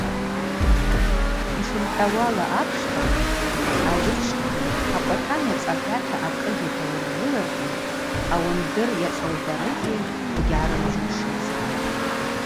Йшырхӏвауала апшта, агӏвычвкӏгьи акӏватан йацӏахӏвата акъыж йтауыргылыргьи ауандыр йацӏаухӏварыгьи уыгьгӏарымжьушызтӏ.